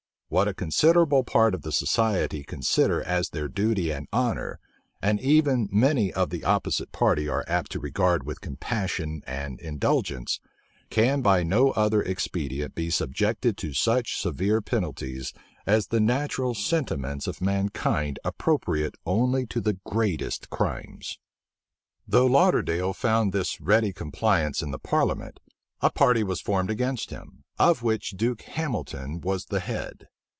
What a considerable part of the society consider as their duty and honor, and even many of the opposite party are apt to regard with compassion and indulgence, can by no other expedient be subjected to such severe penalties as the natural sentiments of mankind appropriate only to the greatest crimes. Though Lauderdale found this ready compliance in the parliament, a party was formed against him, of which Duke Hamilton was the head.